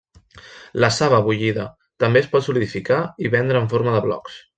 La saba bullida també es pot solidificar i vendre en forma de blocs.